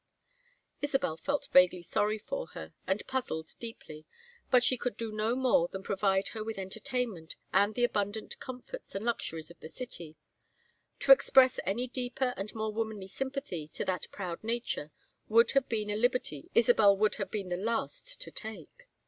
Isabel felt vaguely sorry for her, and puzzled deeply, but she could do no more than provide her with entertainment and the abundant comforts and luxuries of the city; to express any deeper and more womanly sympathy to that proud nature would have been a liberty Isabel would have been the last to take.